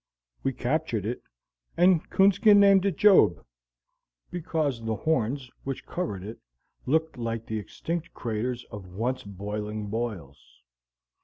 We captured it, and Coonskin named it Job, because the horns which covered it looked like the extinct craters of once boiling boils.